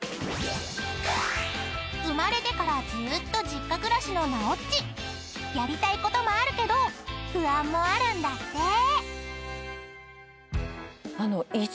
［生まれてからずーっと実家暮らしのなおっち］［やりたいこともあるけど不安もあるんだって］